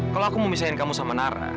kalau aku mau misahin kamu sama nara